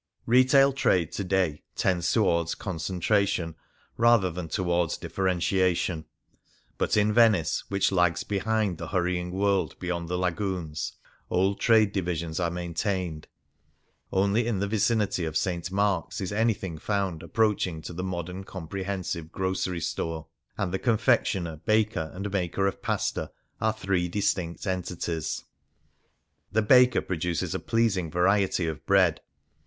Retail trade to day tends towards concentra tion rather than towards differentiation ; but in Venice, which lags behind the hurrying world beyond the lagoons, old trade divisions are maintained. Only in the vicinity of St. Mark's is anything found approaching to the modem comprehensive grocery store ; and the con fectioner, baker, and maker of pasta are three distinct entities. The baker produces a pleasing varietv of bread.